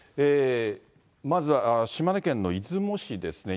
まずは島根県の出雲市ですね。